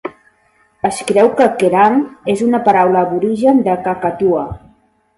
Es creu que "kerang" és una paraula aborigen de "cacatua".